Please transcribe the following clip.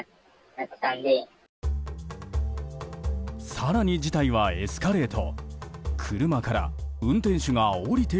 更に事態はエスカレート。